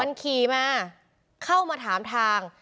มันขี่มาเข้ามาถามทาง